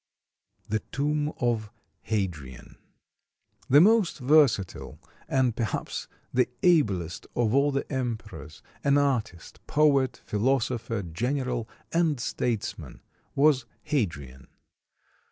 ] THE TOMB OF HADRIAN The most versatile and perhaps the ablest of all the emperors an artist, poet, philosopher, general, and statesman was Hadrian.